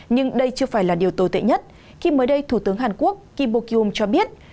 nhưng đây chưa phải là điều tồi tệ nhất khi mới đây thủ tướng hàn quốc kim bokyum cho biết